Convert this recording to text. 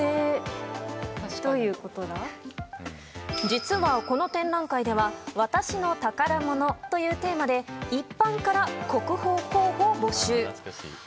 実は、この展覧会ではワタシの宝物というテーマで一般から国宝候補を募集。